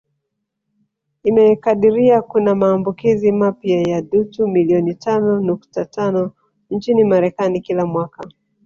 Imekadiria kuna maambukizi mapya ya dutu milioni tano nukta tano nchini Marekani kila mwaka